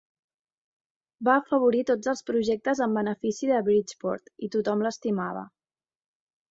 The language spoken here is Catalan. Va afavorir tots els projectes en benefici de Bridgeport, i tothom l'estimava.